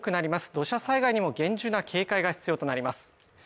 土砂災害にも厳重な警戒が必要となります